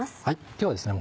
今日はですね